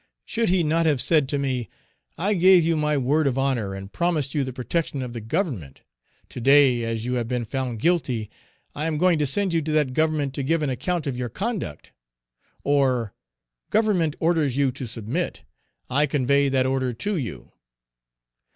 Should he not have said to me, "I gave you my word of honor and promised you the protection of the Government; to day, as you have been found guilty, I am going to send you to that government to give an account of your conduct"? Or, "Government orders you to submit; I convey that order to you"?